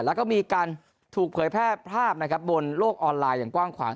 แล้วก็มีการถูกเผยแพร่ภาพนะครับบนโลกออนไลน์อย่างกว้างขวาง